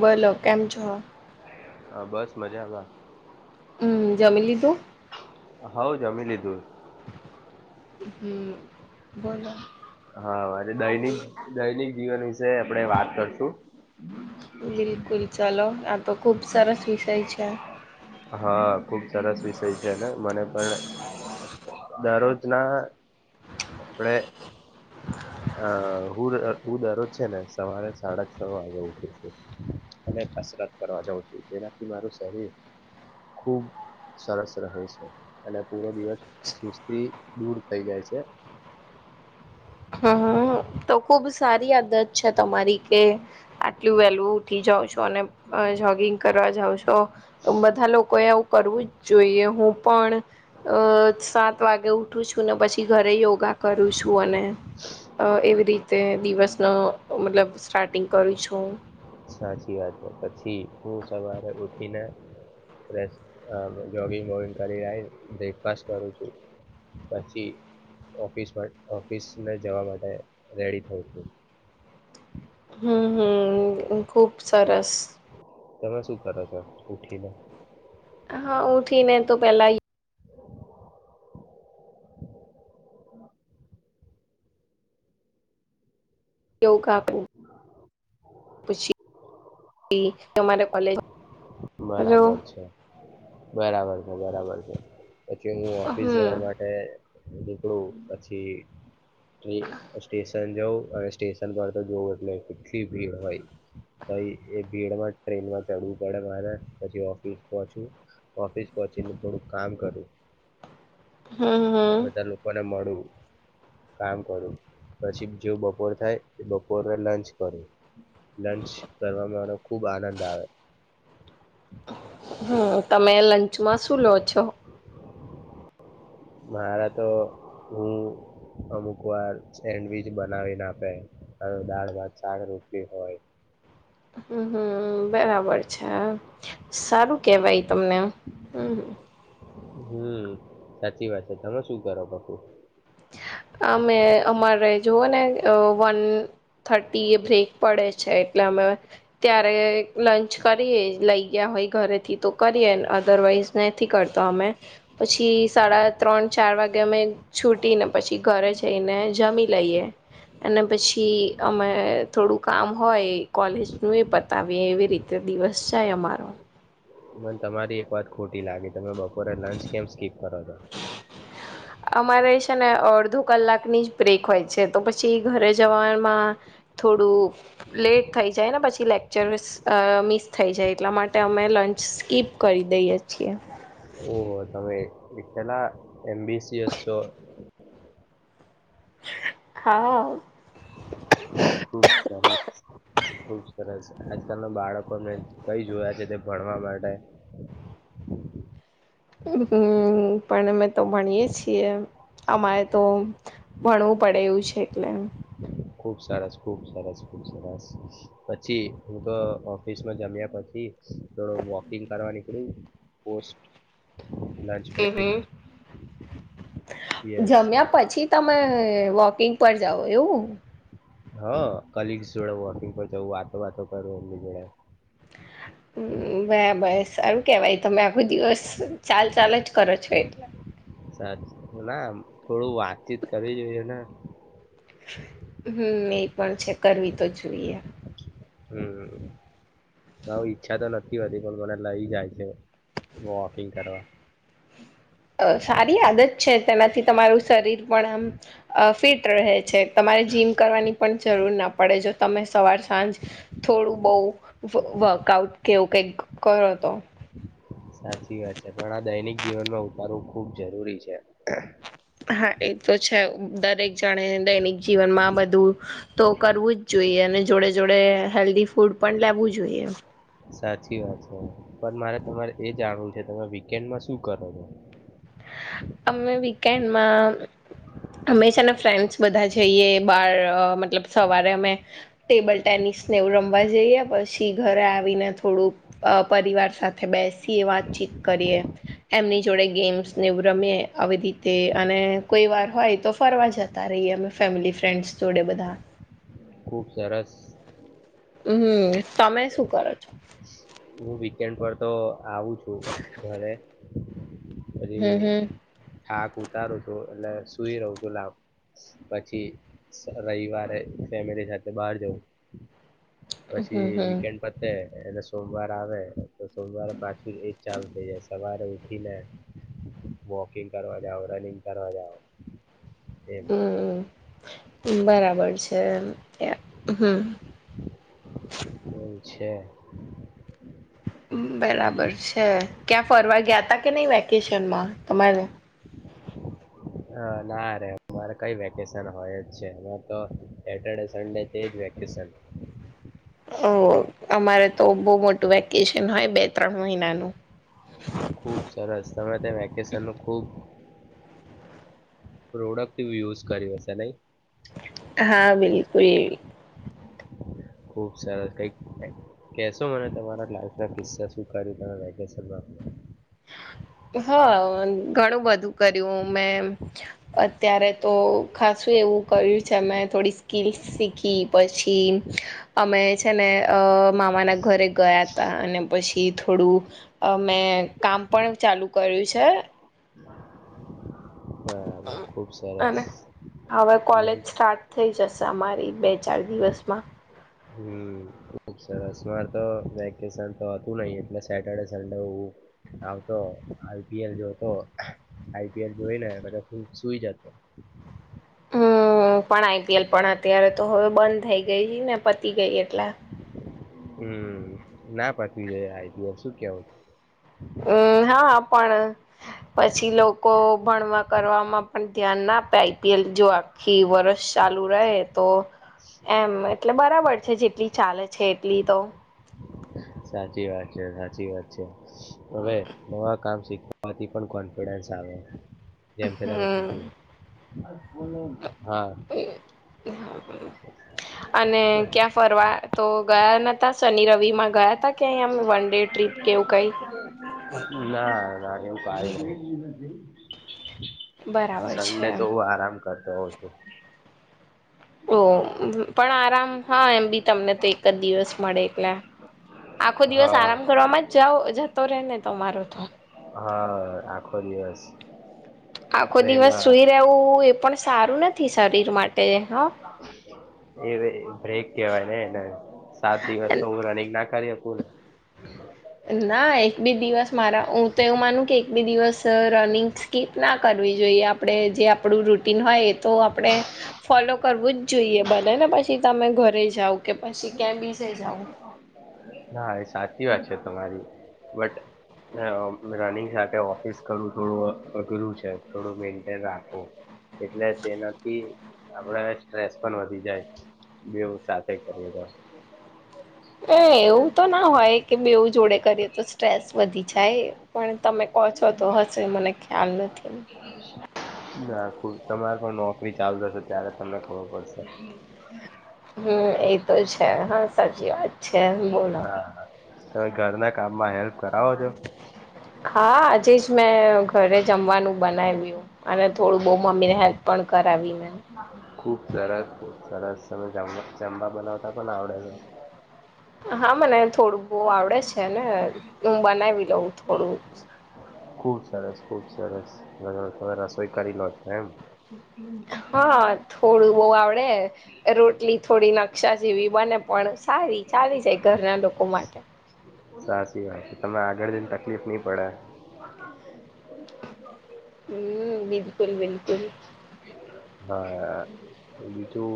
બોલો કેમ છો. હા બસ મજામાં હમ જમી લીધુ હવ જમી લીધુ હ બોલો હા દૈનિક દૈનિક જીવન વીશે આપડે વાત કરશું. બિલકુલ ચલો આ તો ખુબ સરસ વિષય છે. હા ખુબ સરસ વિષય છે ને મને પણ દરરોજ ના આપડે અ હું હું દરોજ છે ને સવારે સાડા છ વાગે ઉઠું છું અને કસરત કરવા જાઉં છું જેનાથી મારું શરીર ખુબ સરસ રહે છે અને પૂરો દિવસ સુસ્તી દૂર થઈ જાય. છે. હમ તો ખુબ સારી આદત છે તમારી કે આટલું વેલું ઉઠી જાઉ છો અને જોગિંગ કરવા જાાવ છો બધા લોકો એ આવું કરવું જ જોઈએ હું પણ અ સાત વાગે ઉઠું છું ને પછી ઘરે યોગા કરું છું અને અ એવી રીતે દિવસનો મતલબ સ્ટાર્ટિંગ કરું છું. સાચી વાત છે. પછી હું સવારે ઉઠીને ફ્રેસ જોગિંગ વોગિંગ કરીને આઈસ બ્રેકફાસ્ટ કરું છું. પછી ઓફિસ ઓફિસને જવા માટે રેડી થઉ છું. [inaudible] હમ હમ ખુબ સરસ તમે શું કરો છો ઉઠીને હા ઉઠી ને તો પેલા યોગ આપ પછી અમારે કોલેજ હલો બરાબર છે બરાબર છે બરાબર છે. પછી હું ઓફિસ હમ જવા માટે નીકળું પછી ટ સ્ટેશન જ હવે સ્ટેશન પર તો જોવું એટલે કેટલી ભીડ હોય તો એ ભીડમાં ટ્રેનમાં ચડવું પડે મારે પછી ઓફિસ પહોંચું ઓફિસ પહોચીને થોડુંક કામ કરું હમ હમ બધા લોકોને મળું કામ કરું પછી જો બપોર થાય એ બપોરે લંચ કરું. લંચ કરવામાં મનો ખુબ આનંદ આવે હમ્મ તમે લંચમાં શું લો છો? મારા તો હું અમુક વાર સેન્ડવીચ બનાવીને આપે દાળ ભાત છાડ રોટીલી હોય. હમ્મ હમ્મ, બરાબર છે સારું કેવાય તમને હમ્મ હમ્મ સાચી વાત છે તમે શું કરો પપું જોુઓ ને વન થર્ટી એ બ્રેક પડે છે એટલે અમે ત્યારે લંચ કરીએ લઈ ગયા હો ઘરેથી તો કરીએ અદરવાઈઝ નથી કરતો અમે પછી સાડા ત્રણ ચાર ચાર વાગે અમે છૂટી ને પછી ઘરે જઈને જમી લઈએ અને પછી અમે થોડું કામ હોય કોલેજ નું એ પતાવી એવી રીતે દિવસ છાય અમારો મને તમારી એક વાત ખોટી લાગી તમે બપોરે લંચ કેમ સ્કીપ કરો છો અમારે છે ને અડધો કલાકની જ બ્રેક હોય છે તો પછી ઘરે જવાવામાં થોડું લેટ થઈ જાય ને પછી લેક્ચરસ મિસ થઈ જાય એટલા માટે અમે ચ સ્કીપ કરી દઈએ છીએ. ઓ હો તમે પેલા એમબીસીએસ છો. હા. ખુબ સરસ ખુબ સરસ આજકાલ ના બાળકોને કઈ જોયા છે તે ભણ આવા માટે પણમે તો ભણીએ છીએ. અમારે તો ભણવું પડે એવું છે એટલે ખુબ સરસ ખુબ સરસ ખુબ સરસ પછી હું તો ઓફિસમાં જમ્યા પછી થડ વોકિંગ કરવા નીકળું પોસ્ટ લંચ હ બ્રેક હ યસ જમ્યા પછી તમે વોકિંગ પર જાઓ એવું? હ કલગ્સ જોડે વોકિંગ પર જવું વાતો વાતો કરું એમની જોડે. હ બરાબર સારું કેવાય તમે આખો દિવસ ચાલ ચાલ જ કરો છો એટલે ના થોડું વાતચીત કરવી જોઈએ ન હમ્મ એ પણ છે કરવી તો જોઈએ હમમ. ઈચ્છા તો નથી હોતી પણ મને લઈ જાય છે વોકિંગ કરવા હમ અ સારી આદત છે તેનાથી તમારું શરીર પણ આમ ફિટ રહે છે તમારે જીમ કરવાની પણ જરૂર ના પડે જો તમે સવાર સાંજ થોડું બહુ વ વર્કઆઉટ કેવું કઈક કરો તો સાચી વાત છે પણ આ દૈનિક જીવનમાં ઉતારવું ખુબ જરૂરી છે. હા એ તો છે દરેક જણે દૈનિક જીવનમાં આ બધું તો કરવું જ જોઈ જોએ અને જોડે- જોડે હેલ્ધી ફૂડ પણ લેવું જોઈએ. સાચી વાત છે પણ મારે તમારે એ જાણવું છે તમે વીકેન્ડમાં શું કરો છો હ અમે વીકેન્ડ માં હંમેશાના ફ્રેન્ડ્સ બધા જઈએ બાર મતલબ સવારે અમે ટેબલ ટેનિસ સ્નેવ રમવા જઈએ પછી ઘરે આવીને થોડુંક પરિવાર સાથે બેસી એ વાત ચીક કરીએ એમની જોડે ગેમ્સ એવું રમીએ આવી રીતે અને કોઈ વાર હોય તો ફરવા જતા રહીએ અમે ફેમિલી ફ્રેન્ડ્સ જોડે બધા ખૂબ સરસ હમ તમે શું કરો છો? હું વીકેન્ડ પર તો આવું છું ઘરે પછી હમ હમ થાક ઉતારું છું એટલે સુઈ રહું છું લાભ પછી રવિવારે ફેમિલી સાથે બહાર જવ પછી હમ હમ વીકેન્ડ પતે અને સોમવાર આવે તો સોમવારે પાછું એજ ચાલ થઈ જાય સવારે ઉઠીને વોકિંગ કરવા જઓ રનિંગ કરવા જાવ એમ હમ બરાબર છે ત હમ એવું છે. બરાબર છે ક્યાં ફરવા ગયા ત કે નહી વેકેશનમાં તમારે હ ના ર અમારે કઈ વેકેશન હોય જ છે તો સેટરડે સડે તેજ વેક ઓ કે સર ઓ અમારે તો બો મોટું વેકેશન હોય બે ત્રણ મહિનાનું ખુબ સરસ તમે [inaudible] વેકેશન નુ ખુબ પ્રોડક્ટ યુઝ કરીયો હશે નઈ હા બિલકુલ ખુબ સરસ કઈક કેશો મને તમારા લાઈફ ના કિસ્સા શુ કયું [inaudible] હા ઘણું બધું કર્યું મેં અત્યારે તો ખાસું એવું કર્યું છે મે થોડી [unintelligible] શીખી પછી અમે છે ને અ મામાના ઘરે ગયા તા અને પછી થોડું અ મેં કામ પણ ચાલુ કર્યું છે બરાબર ખુબ સરસ અને હવે કોલેજ મન- સ્ટાર્ટ થઈ જશે અમારી બે ચાર દિવસમાં હમ ખુબ સરસ મારે તો વેકેશન તો હતું નઈ એટલે સેટરડે સડે હું આવતો આઈ પી એલ જોતો આઈ પી એલ જોઈ ને બધા સુઈ જતો [inaudible] હું પણ આઈ પી એલ પણ અત્યારે તો હવે બંધ થઈ ગઈ ને પતી ગઈ એટલે હમ ના પાતવી જોઈએ શું કેવું હમ હા પણ પછી લોકો ભણવા કરવાવામાં પણ ધ્યાન ના આપે આઈ પી એલ જો આખી વર્ષ ચાલુ રહે તો એમ એટલે બરાબર છે જેટલી ચાલે છે એટલી તો સાચી વાત છે સાચી વાત છે હવે નવા કામ શીખવાથી પણ કોન્ફિડન્સ ચાવે જેમ કે તમે હમ કીધું હા હ [inaudible] અને ક્યાં ફરવા તો ગયા ન તા શનિ રવિ માં ગયા તા ક્યાંય આમ વન ડે ટ્રીપ કેવું કઈ [inaudible] ના ના એવું [inaudible] બરાબર છે સંન્ડે તો હું આરામ કરતો [unintelligible] ઓ પણ આરામ હા એમ બી તમને તો એક જ દિવસ મળે એટલે આખો દિવસ હા આરામ કરવાવામાં જાઓ જતો રેય ને તમારો તો હા આખો દિવસ આખો દિવસ એમાં સુઈ રહેવું એ પણ સારું નથી શરીર માટે હ એ બ્રેક કેવાય ને એને સાત દિવસ તો હું રનિંગ ના કરી [inaudible] ના એક બે દિવસ મારા હું તો એવું માનું કે એક બે દિવસ રનિંગ સ્કીપ ના કર કરવી જોઈએ આપડે જે આપણું રૂટીન હોય એ તો આપણે ફોલો કરવું જ જોઈએ ભલે ને પછી તમે ઘરે જાવ કે પછી ક્યા બીજે જાવ હા એ સાચી વાત છે તમારી બટ રનિંગ સાથે ઓફિસ કરવું થોડું અઘરું છે થોડું મેન્ટેન રાખવું એટલે તેનાથી આપળે સ્ટ્રેસ પણ વધી જાય બેવુ સાથે કરીએ તો એ એવું તો ના હોય કે બવું જોડે કરીએ તો સ્ટ્રેસ વધી જાય પણ તમે [unintelligible] છો તો હશે મને ખ્યાલ નથી [inaudible] નાખું તમારે પણ નોકરી ચાલુ થશે ત્યારે તમને ખબર પડશે હમ્મ એ તો છે હા સાચી વાત છે બોલો હા તમે ઘરના કામમાં હેલ્પ કરાવો છો હા આજે મેં ઘરે જમવાનું બનાવ્યું અને થોડું બો મમ્મીને હેલ્પ પણ કરાવી મેં ખુબ સરસ સરસ [unintelligible] બનાવતા પણ આવડે છે હા મને થોડું બહુ આવડે છે ને હું બનાવી લઉં થોડું ખુબ સરસ ખુબ સરસમે રસોઈ કરી લો છો એમ હા થોડું બહુ આવડે રોટલી થોડી નકશા જેવી બને પણ સારી ચાલી જાય ઘરના લોકો માટે સાચી વાત છે તમે આગળ જને તકલીફ નહી પડે હમ્મ બિલકુલ બિલકુલ હા બીજું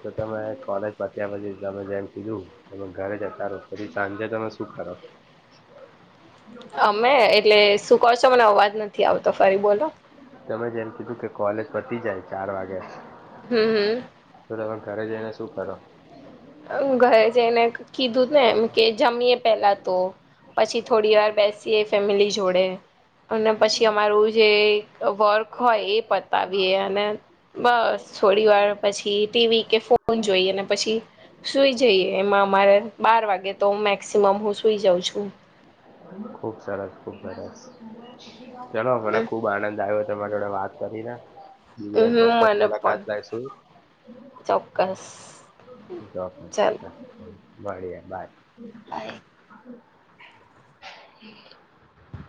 તો તમે કોલેજ પત્યા પછી તમે જેમ કીધું તમે ઘરે જતા રહો પછી સાંજે તમે શું કરો? અમે એટલે શું કોહ છો મને અવાજ નથી આવતો ફરી બોલો? તમે જેમ કીધું કોલેજ પતી જાય ચાર વાગે હમ હમ તો તમે ઘરે જઈને શું કરો? ઘરે જઈને કીધું ને એમ કે જમીએ પેલા તો પછી થોડી વાર બેસીએ ફેમિલી જોડે અને પછી અમારું જે વર્ક હોય એ પતાવીએ અને બસ થોડી વાર પછી ટીવી કે ફોન જોઈ પછી સુઈ જઈએ એમાં અમારે બાર વાગે તો મેક્સિમમ હું સુઈ જાઉં છું ખુબ સરસ ખુબ સરસ ચલો મને ખુબ આનંદ આવ્યો તમારી જોડ વાત. કરી ના બીજી વાર હમ ચોક્કસ મને મુલાકાત પણ લાયશું. ચોક્કસ ચાલ. મળળએ બાઈ. બાઈ. [inaudible]